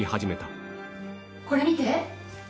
これ見て。